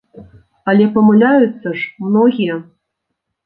Але памыляюцца ж многія.